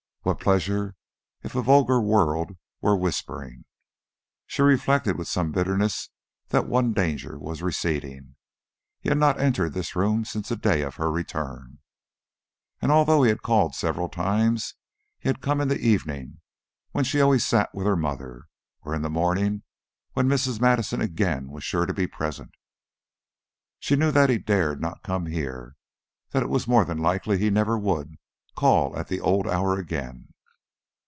What pleasure if a vulgar world were whispering? She reflected with some bitterness that one danger was receding. He had not entered this room since the day of her return. Although he had called several times, he had come in the evening, when she always sat with her mother, or in the morning, when Mrs. Madison again was sure to be present. She knew that he dared not come here, and that it was more than likely he never would call at the old hour again.